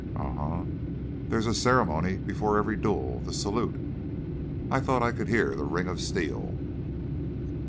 "Um m! There's a ceremony before every duel the salute. I thought I could hear the ring of steel."